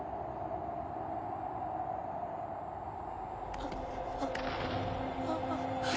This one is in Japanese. あっああ。